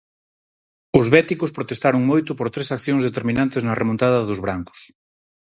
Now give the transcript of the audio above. Os béticos protestaron moito por tres accións determinantes na remontada dos brancos.